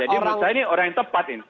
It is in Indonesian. jadi menurut saya ini orang yang tepat ini